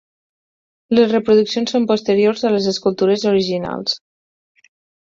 Les reproduccions són posteriors a les escultures originals.